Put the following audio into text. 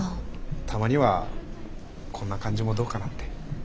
たまにはこんな感じもどうかなって。